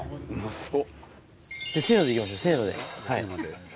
そう。